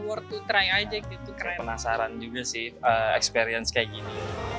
war to try aja gitu kayak penasaran juga sih experience kayak gini